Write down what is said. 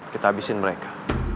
kita abisin mereka